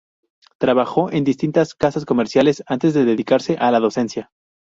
Trabajó en distintas casas comerciales antes de dedicarse a la docencia.